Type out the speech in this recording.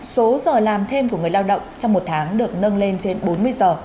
số giờ làm thêm của người lao động trong một tháng được nâng lên trên bốn mươi giờ